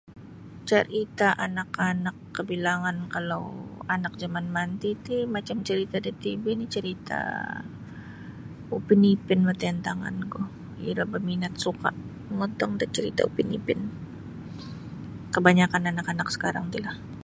Carita anak-anak kabilangan kalau anak jaman manti ti macam carita da TV ni carita Upin Ipin manti intangan ku iro baminat suka mongontong da carita Upin Ipin kabanyakan anak-anak sakarang ti lah.